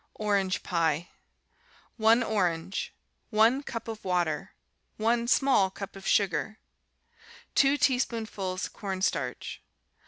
Orange Pie 1 orange. 1 cup of water. 1 small cup of sugar. 2 teaspoonfuls corn starch.